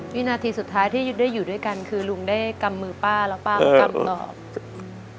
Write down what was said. วินาทีสุดท้ายที่ได้อยู่ด้วยกันคือลุงได้กำมือป้าแล้วป้าก็กำตอบ